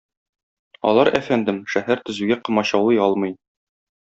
Алар, әфәндем, шәһәр төзүгә комачаулый алмый.